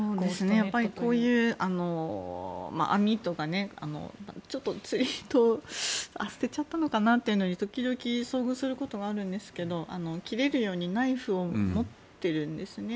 こういう網とかちょっと釣り糸捨てちゃったのかなというのに時々遭遇することはあるんですが切れるようにナイフを持っているんですね。